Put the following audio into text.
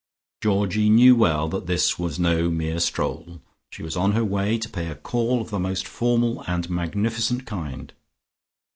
Georgie knew well that this was no mere stroll; she was on her way to pay a call of the most formal and magnificent kind.